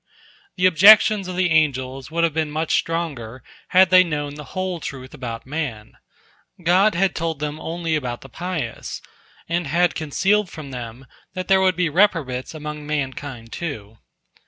The objections of the angels would have been much stronger, had they known the whole truth about man. God had told them only about the pious, and had concealed from them that there would be reprobates among mankind, too.